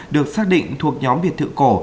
được xác định thuộc nhóm biệt thự cổ